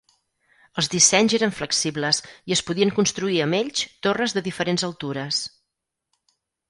Els dissenys eren flexibles i es podien construir amb ells torres de diferents altures.